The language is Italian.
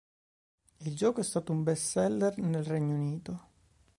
Il gioco è stato un best seller nel Regno Unito.